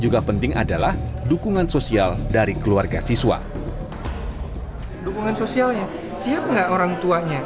juga penting adalah dukungan sosial dari keluarga siswa dukungan sosialnya siap enggak orang tuanya